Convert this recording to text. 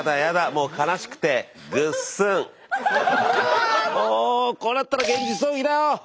もうもうこうなったら現実逃避だよ。